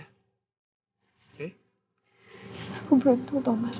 aku beruntung tau mas